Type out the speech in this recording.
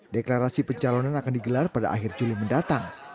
deklarasi pencalonan akan digelar pada akhir juli mendatang